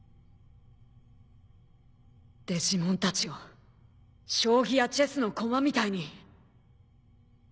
デジモンたちを将棋やチェスの駒みたいに。